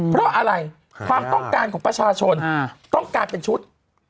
เพราะอะไรความต้องการของประชาชนต้องการเป็นชุด